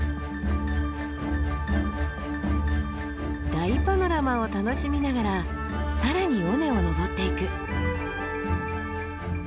大パノラマを楽しみながら更に尾根を登っていく。